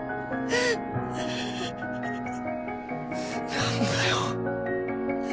なんだよ。